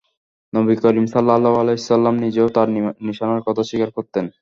নবী করীম সাল্লাল্লাহু আলাইহি ওয়াসাল্লাম নিজেও তার নিশানার কথা স্বীকার করতেন।